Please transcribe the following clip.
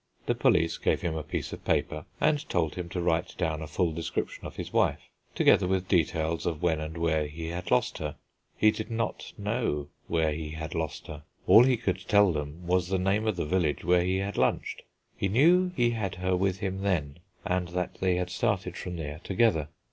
The police gave him a piece of paper, and told him to write down a full description of his wife, together with details of when and where he had lost her. He did not know where he had lost her; all he could tell them was the name of the village where he had lunched. He knew he had her with him then, and that they had started from there together.